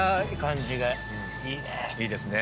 いいですね。